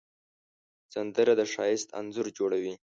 سندره د ښایست انځور جوړوي